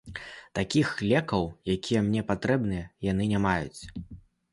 Такіх лекаў, якія мне патрэбныя, яны не маюць.